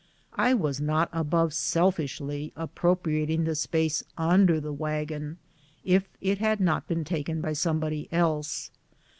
I was not above selfishly appropriating the space under the wagon, if it had not been taken by somebody else.